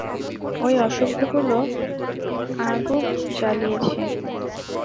ঐ অসভ্য গুলো আগুব জ্বালিয়েছে।